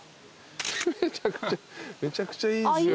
めちゃくちゃいいですよ。